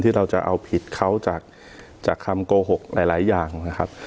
ที่เราจะเอาผิดเขาจากจากคำโกหกหลายหลายอย่างนะครับ